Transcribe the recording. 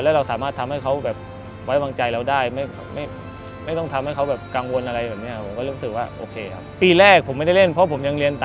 แล้วเราสามารถทำให้เขาแบบไว้วางใจเราได้ไม่ต้องทำให้เขาแบบกังวลอะไรแบบนี้